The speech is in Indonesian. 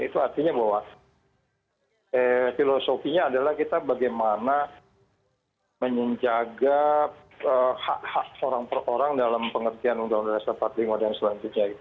itu artinya bahwa filosofinya adalah kita bagaimana menjaga hak hak orang per orang dalam pengertian undang undang dasar empat puluh lima dan selanjutnya